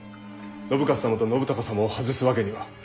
信雄様と信孝様を外すわけには。